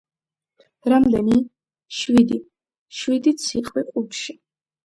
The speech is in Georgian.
რამდენი? შვიდი. შვიდი ციყვი ყუთში.